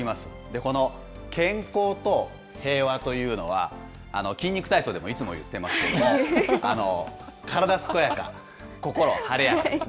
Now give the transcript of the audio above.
この健康と平和というのは、筋肉体操でもいつも言ってますけれども、体健やか、心晴れやかですね。